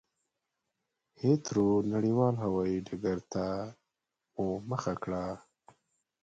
هېترو نړېوال هوایي ډګرته مو مخه کړه.